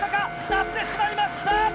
鳴ってしまいました。